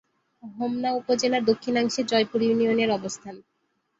হোমনা উপজেলার দক্ষিণাংশে জয়পুর ইউনিয়নের অবস্থান।